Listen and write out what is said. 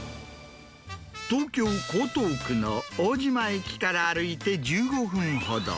東京・江東区の大島駅から歩いて１５分ほど。